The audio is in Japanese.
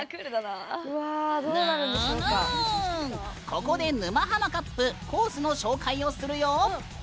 ここで「沼ハマカップ」コースの紹介をするよ。